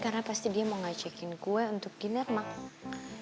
karena pasti dia mau ngajakin gue untuk diner mak